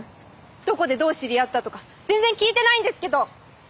どこでどう知り合ったとか全然聞いてないんですけど！